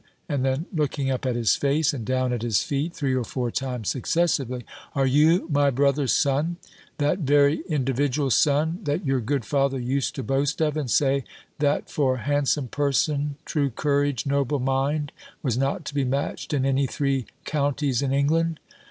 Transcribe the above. And then looking up at his face, and down at his feet, three or four times successively, "Are you my brother's son? That very individual son, that your good father used to boast of, and say, that for handsome person, true courage, noble mind, was not to be matched in any three counties in England?"